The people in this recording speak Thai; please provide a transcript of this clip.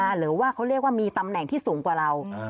หรือว่าเขาเรียกว่ามีตำแหน่งที่สูงกว่าเรา